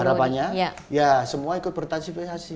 harapannya ya semua ikut bertransifikasi